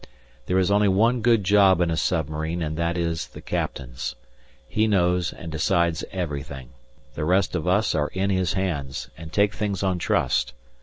There is only one good job in a submarine and that is the Captain's. He knows and decides everything. The rest of us are in his hands and take things on trust.